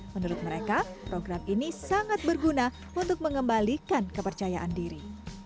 menurut mereka program ini sangat berguna untuk mengembalikan kepercayaan diri